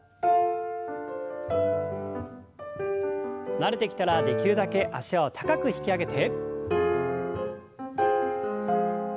慣れてきたらできるだけ脚を高く引き上げて。